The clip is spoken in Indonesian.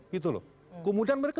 gitu loh kemudian mereka